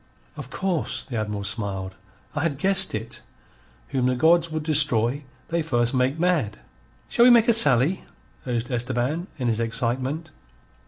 "Of course." The Admiral smiled. "I had guessed it. Whom the gods would destroy they first make mad." "Shall we make a sally?" urged Esteban, in his excitement.